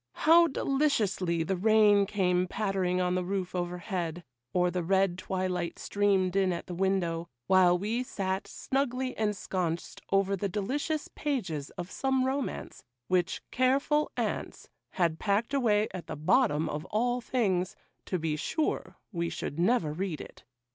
How deliciously the rain came pattering on the roof over head, or the red twilight streamed in at the window, while we sat snugly ensconced over the delicious pages of some romance, which careful aunts had packed away at the bottom of all things, to be sure we should never read it!